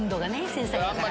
繊細やから。